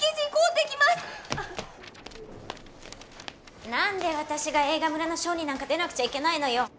・何で私が映画村のショーになんか出なくちゃいけないのよ！